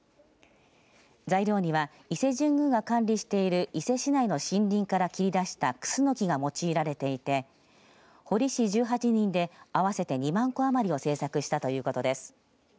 材料には伊勢神宮が管理している伊勢市内の森林から切り出したクスノキが用いられていて彫り師１８人で合わせて２万個余りを製作したということです。